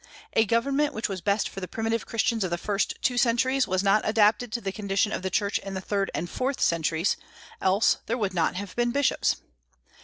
A government which was best for the primitive Christians of the first two centuries was not adapted to the condition of the Church in the third and fourth centuries, else there would not have been bishops.